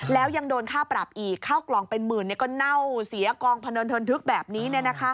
แล้วยังโดนค่าปรับอีกเข้ากล่องเป็นหมื่นก็เน่าเสียกองพะเนินเทินทึกแบบนี้